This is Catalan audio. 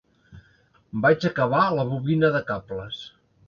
Vaig acabar la bobina de cables.